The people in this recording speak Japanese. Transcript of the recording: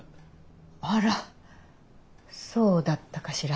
あらそうだったかしら。